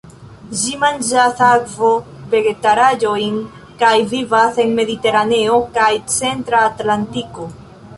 Ĝi manĝas akvo-vegetaĵojn kaj vivas en Mediteraneo kaj Centra Atlantiko.